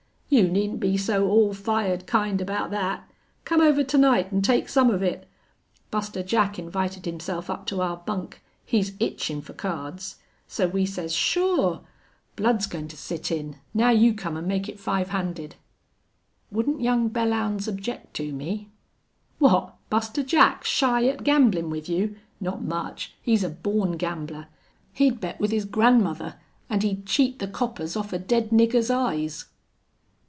"You needn't be so all fired kind about thet. Come over to night an' take some of it. Buster Jack invited himself up to our bunk. He's itchin' fer cards. So we says shore. Blud's goin' to sit in. Now you come an' make it five handed." "Wouldn't young Belllounds object to me?" "What? Buster Jack shy at gamblin' with you? Not much. He's a born gambler. He'd bet with his grandmother an' he'd cheat the coppers off a dead nigger's eyes."